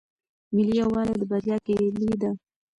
ملي یووالی د بریا کیلي ده.